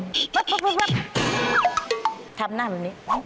อัธิบายหน้าแบบนี้